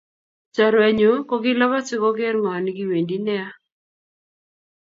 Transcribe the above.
Chorwet nyun kokilapat si koker ngo nikiwendi nea.